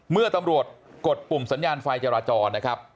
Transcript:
เมื่อตำรวจกดปุ่มสัญญาณไฟจราจรนะครับ